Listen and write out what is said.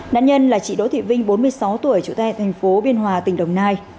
nạn nhân là chị đỗ thị vinh bốn mươi sáu tuổi chủ tài thành phố biên hòa tỉnh đồng nai